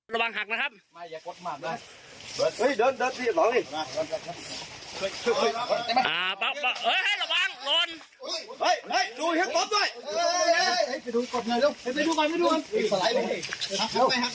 ระวังหักนะครับมาอย่ากดมาได้เฮ้ยเดินเดินที่หลองอีก